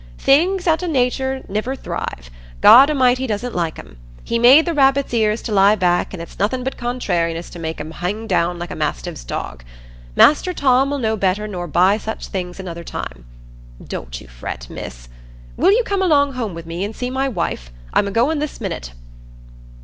Things out o' natur niver thrive: God A'mighty doesn't like 'em. He made the rabbits' ears to lie back, an' it's nothin' but contrairiness to make 'em hing down like a mastiff dog's. Master Tom 'ull know better nor buy such things another time. Don't you fret, Miss. Will you come along home wi' me, and see my wife? I'm a goin' this minute."